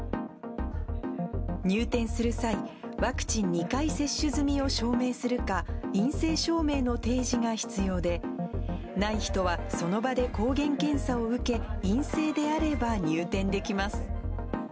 入店する際、ワクチン２回接種済みを証明するか、陰性証明の提示が必要で、ない人はその場で抗原検査を受け、陰性であれば、入店できます。